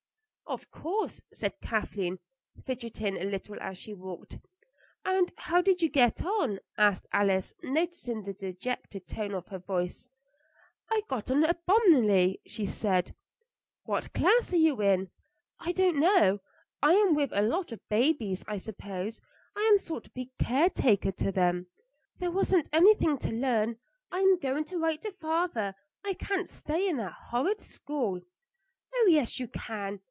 "Of course," said Kathleen, fidgeting a little as she walked. "And how did you get on?" asked Alice, noticing the dejected tone of her voice. "I got on abominably," said Kathleen. "What class are you in?" "I don't know. I am with a lot of babies; I suppose I am to be a sort of caretaker to them. There wasn't anything to learn. I am going to write to father. I can't stay in that horrid school." "Oh, yes, you can.